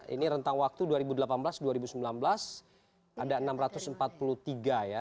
ini rentang waktu dua ribu delapan belas dua ribu sembilan belas ada enam ratus empat puluh tiga ya